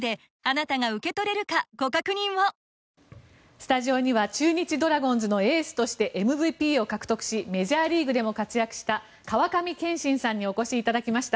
スタジオには中日ドラゴンズのエースとしてＭＶＰを獲得しメジャーリーグでも活躍した川上憲伸さんにお越しいただきました。